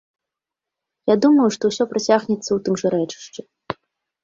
Я думаў, што ўсё працягнецца ў тым жа рэчышчы.